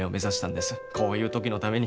こういう時のために。